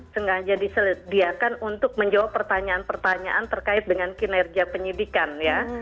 sengaja disediakan untuk menjawab pertanyaan pertanyaan terkait dengan kinerja penyidikan ya